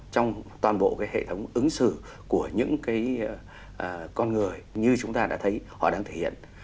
trong toàn bộ cái hệ thống ứng xử của những cái con người như chúng ta đã thấy họ đang thể hiện